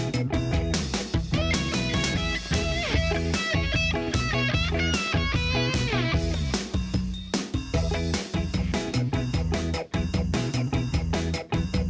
สวัสดีค่ะ